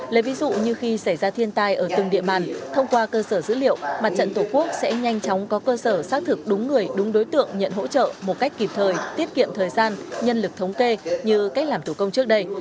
lấy ví dụ như khi xảy ra thiên tai ở từng địa bàn thông qua cơ sở dữ liệu mặt trận tổ quốc sẽ nhanh chóng có cơ sở xác thực đúng người đúng đối tượng nhận hỗ trợ một cách kịp thời tiết kiệm thời gian nhân lực thống kê như cách làm tổ công trước đây